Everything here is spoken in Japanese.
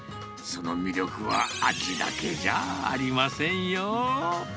その魅力は味だけじゃありませんよ。